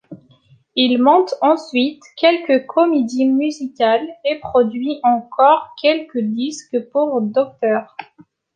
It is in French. Il monte ensuite quelques comédies musicales, et produit encore quelques disques pour Dr.